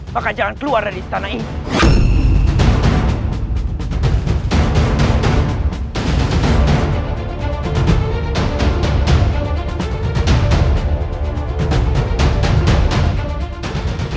maka jangan keluar dari istana ini